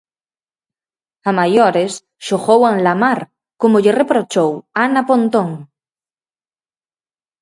A maiores, xogou a enlamar, como lle reprochou Ana Pontón.